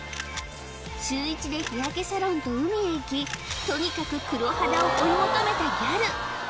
週１で日焼けサロンと海へ行きとにかく黒肌を追い求めたギャル